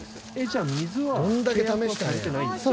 じゃあ水は契約はされてないんですか？